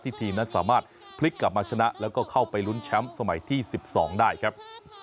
ทีมนั้นสามารถพลิกกลับมาชนะแล้วก็เข้าไปลุ้นแชมป์สมัยที่๑๒ได้ครับ